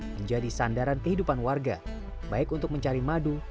menjadi sandaran kehidupan warga baik untuk mencari madu